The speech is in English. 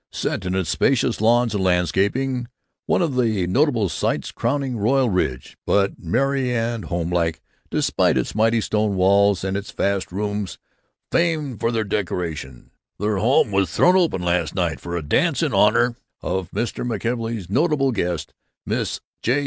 Set in its spacious lawns and landscaping, one of the notable sights crowning Royal Ridge, but merry and homelike despite its mighty stone walls and its vast rooms famed for their decoration, their home was thrown open last night for a dance in honor of Mrs. McKelvey's notable guest, Miss J.